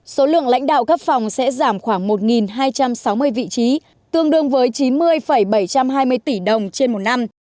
số lượng lãnh đạo cấp phòng sẽ giảm khoảng một hai trăm sáu mươi vị trí tương đương với chín mươi bảy trăm hai mươi tỷ đồng trên một năm